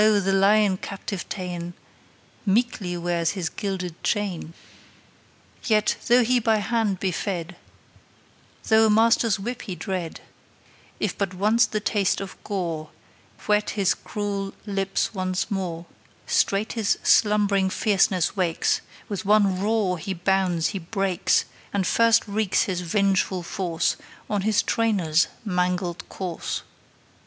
Lo, the lion captive ta'en Meekly wears his gilded chain; Yet though he by hand be fed, Though a master's whip he dread, If but once the taste of gore Whet his cruel lips once more, Straight his slumbering fierceness wakes, With one roar his bonds he breaks, And first wreaks his vengeful force On his trainer's mangled corse.